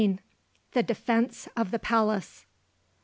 THE DEFENCE OF THE PALACE.